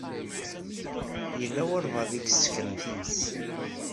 Yella walebɛaḍ i isekren times.